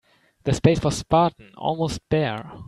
The space was spartan, almost bare.